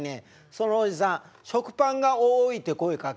そのおじさん食パンが「おい」って声かけるんですよ。